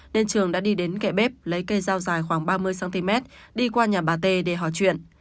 nên trường đã đi đến kệ bếp lấy cây dao dài khoảng ba mươi cm đi qua nhà bà tê để hỏi chuyện